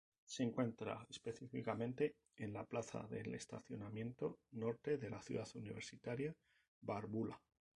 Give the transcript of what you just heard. Se encuentra específicamente en la plaza del estacionamiento norte de la Ciudad Universitaria Bárbula.